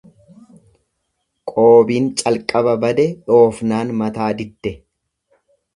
Qoobiin calqaba bade dhoofnaan mataa didde.